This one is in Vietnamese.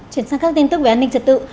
chuyển sang các tin tức về an ninh trật tự